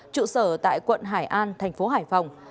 trụ sở tại quận hải an tp hải phòng